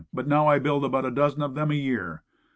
But I now build about a dozen of them a year.